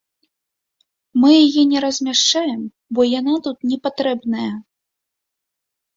Мы яе не размяшчаем, бо яна тут не патрэбная.